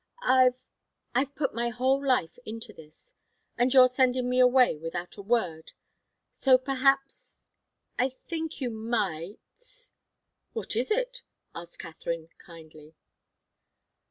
I've I've put my whole life into this and you're sending me away without a word. So perhaps I think you might " "What is it?" asked Katharine, kindly.